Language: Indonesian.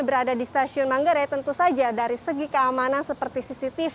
berada di stasiun manggarai tentu saja dari segi keamanan seperti cctv